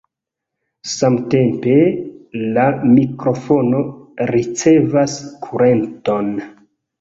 Samtempe la mikrofono ricevas kurenton.